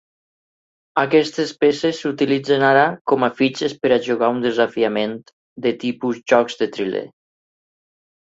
Aquestes peces s'utilitzen ara com a fitxes per a jugar un desafiament de tipus jocs de triler.